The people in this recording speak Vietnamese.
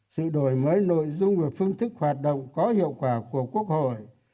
sự đổi mới nội dung và phương thức hoạt động có hiệu quả của quốc hội